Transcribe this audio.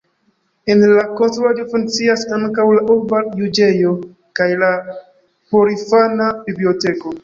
En la konstruaĵo funkcias ankaŭ la urba juĝejo kaj la porinfana biblioteko.